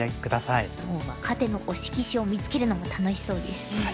若手の推し棋士を見つけるのも楽しそうですね。